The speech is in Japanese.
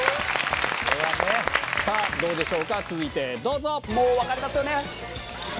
さぁどうでしょうか続いてどうぞ。